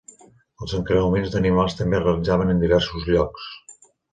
Els encreuaments d'animals també es realitzaven en diversos llocs.